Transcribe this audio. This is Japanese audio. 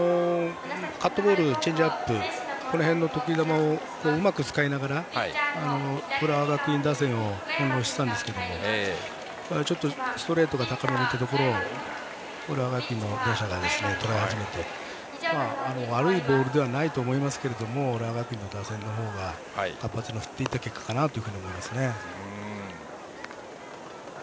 カットボールチェンジアップこの辺の得意球をうまく使いながら浦和学院打線を翻弄していたんですがちょっとストレートが高めのところを浦和学院の打者がとらえ始めて悪いボールではなかったんですけど浦和学院の打者が活発に振っていった結果かなと思います。